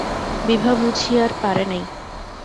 বিভা বুঝি আর পারে নাই।